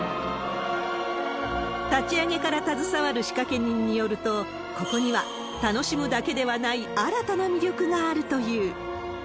立ち上げから携わる仕掛け人によると、ここには楽しむだけではない新たな魅力があるという。